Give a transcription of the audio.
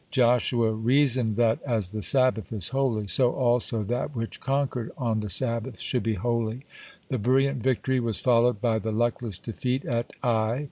Joshua reasoned that as the Sabbath is holy, so also that which conquered on the Sabbath should be holy. (22) The brilliant victory was followed by the luckless defeat at Ai.